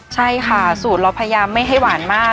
ใช่ค่ะสูตรเราพยายามไม่ให้หวานมาก